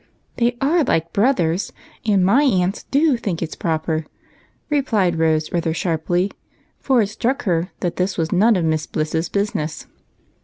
''" They are like brothers, and my aunts do think it 's proper," replied Rose, rather sharply, for it struck her that this was none of Miss Bliss's business.